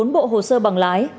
bốn bộ hồ sơ bằng lái